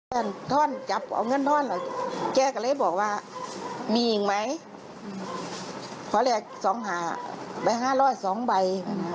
ทอนจับเอาเงินทอนแล้วแกก็เลยบอกว่ามีอีกไหมเขาแลกสองหาใบห้าร้อยสองใบ